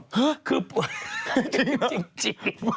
จริงหรอ